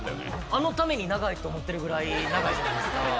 あのために長いと思ってるぐらい長いじゃないですか。